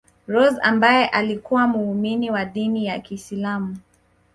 Rose ambaye alikuwa muumini wa dini ya kiislamu